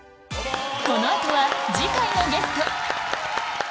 この後は次回のゲスト